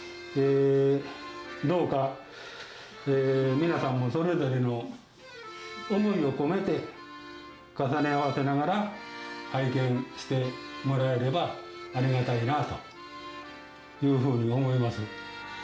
どうか、皆さんもそれぞれの思いを込めて、重ね合わせながら、拝見してもらえればありがたいなというふうに思います。